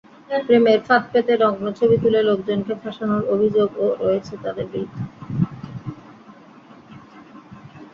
প্রেমের ফাঁদ পেতে নগ্ন ছবি তুলে লোকজনকে ফাঁসানোর অভিযোগও রয়েছে তাঁদের বিরুদ্ধে।